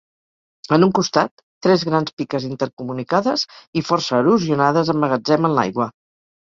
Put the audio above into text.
En un costat, tres grans piques intercomunicades i força erosionades emmagatzemen l'aigua.